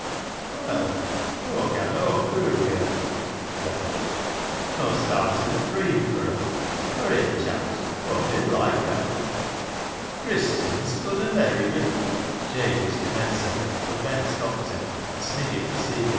" Well, Aw gan o'er gooin' wi' her." "Well?" " An' Aw started o' pruyin' fur her — fur, hay, chaps, Aw did loike her." " Christians conna merry wi' "— Jabe was commencing, but Ben stopped him, and Sniggy proceeded.